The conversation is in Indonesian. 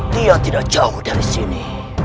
dia tidak jauh dari sini